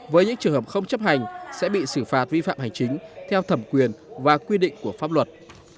với những trường hợp không chấp hành sẽ bị xử phạt vi phạm hành chính theo thẩm quyền và quy định của pháp luật